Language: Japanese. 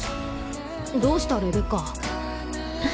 どうしたレベッカ。